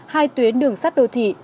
hai tuyến đường sắt đô thị